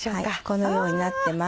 このようになってます。